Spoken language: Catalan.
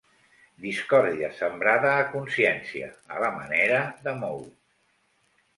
Discòrdia sembrada a consciència, a la manera de Mou.